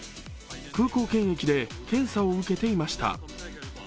空港検疫で検査を受けていました。